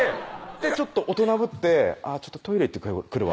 ちょっと大人ぶって「ちょっとトイレ行ってくるわ」